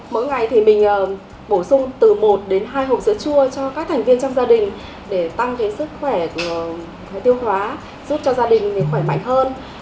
mỗi ngày thì mình bổ sung từ một đến hai hộp sữa chua cho các thành viên trong gia đình để tăng sức khỏe tiêu hóa giúp cho gia đình khỏe mạnh hơn